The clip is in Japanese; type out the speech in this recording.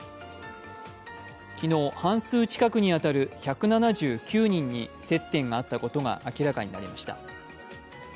昨日、半数近くに当たる１７９人に接点があったことが明らかになりました。